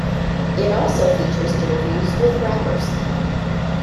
It also features interviews with rappers.